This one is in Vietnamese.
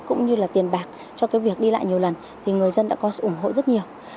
cũng như tiền bạc cho việc đi lại nhiều lần người dân đã có ủng hộ rất nhiều